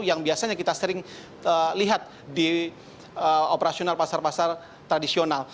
yang biasanya kita sering lihat di operasional pasar pasar tradisional